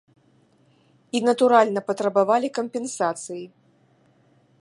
І, натуральна, патрабавалі кампенсацыі.